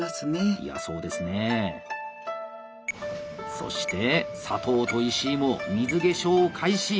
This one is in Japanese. そして佐藤と石井も水化粧を開始！